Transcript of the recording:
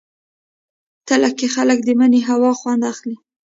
تله کې خلک د مني هوا خوند اخلي.